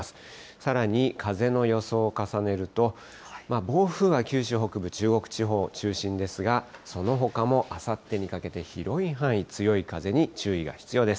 さらに、風の予想を重ねると、暴風は九州北部、中国地方中心ですが、そのほかもあさってにかけて、広い範囲、強い風に注意が必要です。